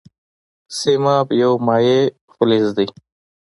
سیماب یو مایع فلز دی.